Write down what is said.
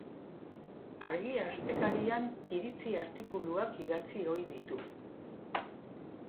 Argia astekarian iritzi-artikuluak idatzi ohi ditu.